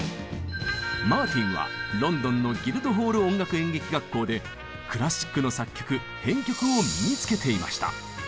マーティンはロンドンのギルドホール音楽演劇学校でクラシックの作曲編曲を身につけていました。